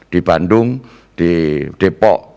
di bandung di depok